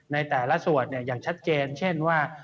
ในแต่ละส่วนอย่างชัดเจนเช่นว่า